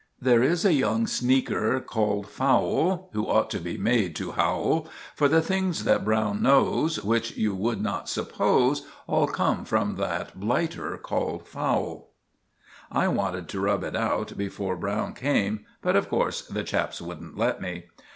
There is a young sneaker called Fowle Who ought to be made to howl, For the things that Browne knows, Which you would not suppose, All come from that blighter called Fowle. I wanted to rub it out before Browne came, but of course the chaps wouldn't let me.